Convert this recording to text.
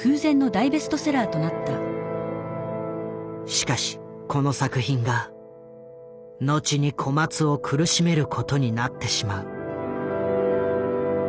しかしこの作品が後に小松を苦しめることになってしまう。